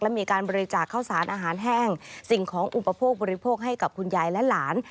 และมีการบริจาคข้าวสารอาหารแห้งสิ่งของอุปโภคบริโภคให้กับคุณยายและหลาน